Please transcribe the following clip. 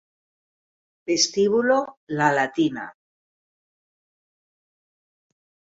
Vestíbulo La Latina